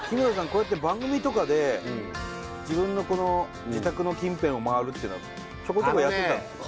こうやって番組とかで自分のこの自宅の近辺を回るっていうのはちょこちょこやってたんですか